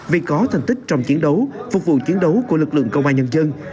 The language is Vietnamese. vì có thành tích trong chiến đấu phục vụ chiến đấu của lực lượng công an nhân dân